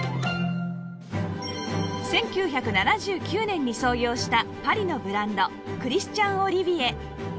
１９７９年に創業したパリのブランドクリスチャン・オリビエ